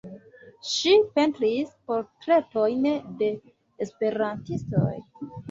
Ŝi pentris portretojn de esperantistoj.